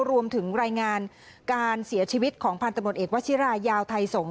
รวมถึงรายงานการเสียชีวิตของพันธุ์ตำรวจเอกวชิรายาวไทยสงศ